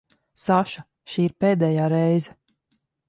Saša, šī ir pēdējā reize.